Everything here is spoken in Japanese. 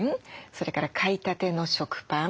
それから買いたての食パン。